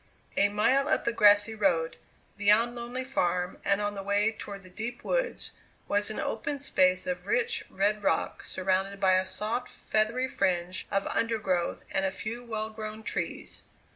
A mile up the grassy road, beyond Lonely Farm and on the way toward the deep woods, was an open space of rich, red rock surrounded by a soft, feathery fringe of undergrowth and a few well grown trees.